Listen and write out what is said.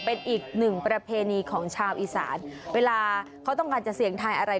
เป็นอีกหนึ่งประเพณีของชาวอีสานเวลาเขาต้องการจะเสี่ยงทายอะไร